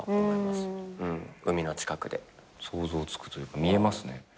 想像つくというか見えますね